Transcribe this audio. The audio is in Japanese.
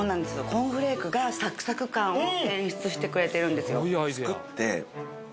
コーンフレークがサクサク感を演出してくれてるんですよ